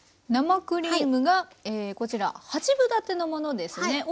生クリームがこちら八分立てのものですね。